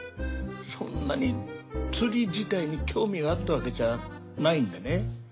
そんなに釣り自体に興味があったわけじゃないんでね。